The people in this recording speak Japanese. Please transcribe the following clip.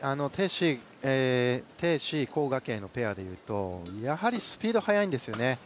鄭思緯、黄雅瓊のペアでいうと、やはりスピードが速いんですよね。